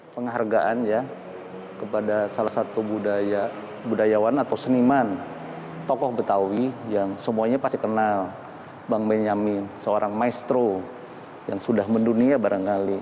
penghargaan ya kepada salah satu budayawan atau seniman tokoh betawi yang semuanya pasti kenal bang benyamin seorang maestro yang sudah mendunia barangkali